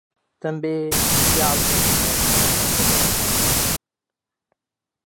També hi ha altres diferències en les regles.